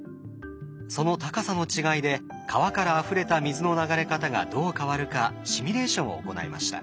その高さの違いで川からあふれた水の流れ方がどう変わるかシミュレーションを行いました。